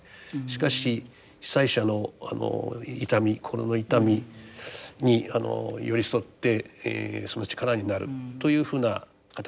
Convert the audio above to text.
しかし被災者の痛み心の痛みに寄り添ってその力になるというふうな形。